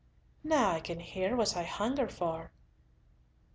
Now can I hear what I hunger for!"